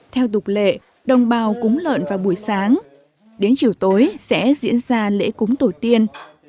theo tục lệ đồng bào cúng lợn vào buổi sáng đến chiều tối sẽ diễn ra lễ cúng tổ tiên